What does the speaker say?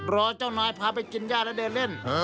รอเจ้านายพาไปกินย่าแล้วเดินเล่น